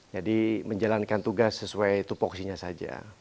jadi menjalankan tugas sesuai itu foksinya saja